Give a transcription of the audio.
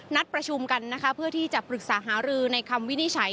นัดประชุมกันนะคะเพื่อที่จะปรึกษาหารือในคำวินิจฉัย